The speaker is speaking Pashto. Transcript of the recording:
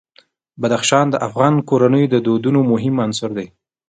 بدخشان د افغان کورنیو د دودونو مهم عنصر دی.